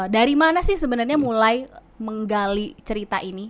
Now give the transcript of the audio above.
dari mana sih sebenarnya mulai menggali cerita ini